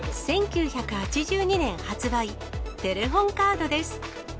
１９８２年発売、テレホンカードです。